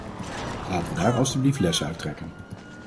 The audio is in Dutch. Laten we daar alstublieft lessen uit trekken.